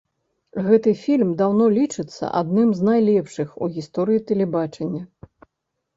Гэты фільм даўно лічыцца адным з найлепшых у гісторыі тэлебачання.